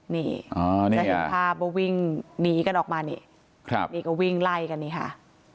นี่นี่ก็วิ่งหนีกันออกมานี่ก็วิ่งไล่กันนี่ค่ะ